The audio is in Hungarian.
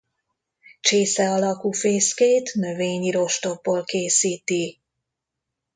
Csésze alakú fészkét növényi rostokból készíti.